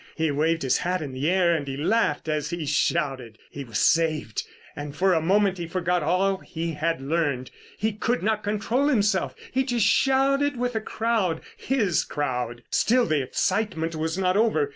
He waved his hat in the air and he laughed as he shouted. He was saved, and for a moment he forgot all he had learned. He could not control himself, he just shouted with the crowd, his crowd. Still the excitement was not over.